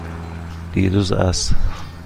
دیروز عصر.